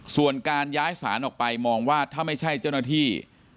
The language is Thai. ส่วนการย้ายสารออกไปมองว่าถ้าไม่ใช่เจ้าหน้าที่